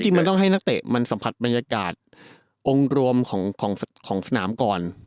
จริงต้องให้นักเตะสัมผัสบรรยากาศรวงรวมของสนามก่อน